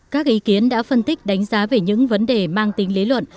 các ý kiến đã phân tích đánh giá về những vấn đề mang tính lý luận